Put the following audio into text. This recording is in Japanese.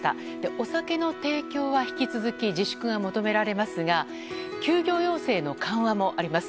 お酒の提供は引き続き自粛が求められますが休業要請の緩和もあります。